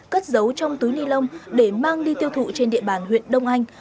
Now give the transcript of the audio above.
cất giấu trong túi ni lông để mang đi tiêu thụ trên địa bàn huyện đông anh